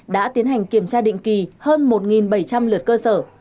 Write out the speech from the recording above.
đã tiến hành kiểm tra định kỳ hơn một bảy trăm linh lượt cơ sở